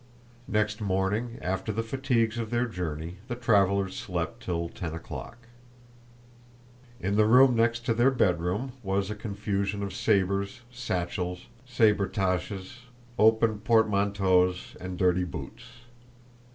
Next morning, after the fatigues of their journey, the travelers slept till ten o'clock. In the room next to their bedroom there was a confusion of sabers, satchels, sabretaches, open portmanteaus, and dirty boots.